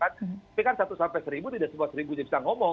tapi kan satu sampai seribu tidak semua seribunya bisa ngomong